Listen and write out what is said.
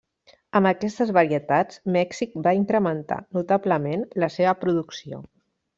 Amb aquestes varietats, Mèxic va incrementar notablement la seva producció.